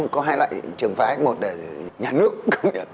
có hai loại trường phá x một ở nhà nước cũng công nhận